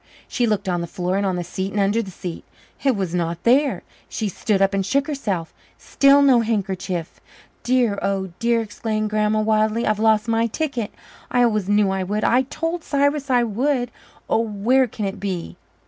She looked on the floor and on the seat and under the seat. It was not there. She stood up and shook herself still no handkerchief. "Dear, oh dear," exclaimed Grandma wildly, "I've lost my ticket I always knew I would I told Cyrus I would! Oh, where can it be?"